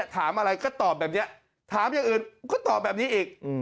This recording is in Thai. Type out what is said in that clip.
ถามอะไรก็ตอบแบบนี้ถามอย่างอื่นก็ตอบแบบนี้อีก